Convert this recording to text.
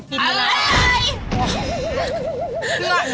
พี่ฟึ้นอร่อยจริง